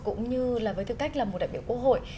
cũng như là với tư cách là một đại biểu quốc hội